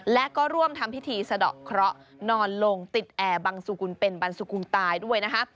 และก็ร่วมทำพิธีสะดอกเคราะห์นอนลงติดแอร์บังสุกุลเป็นบรรสุกุลตายด้วยนะคะ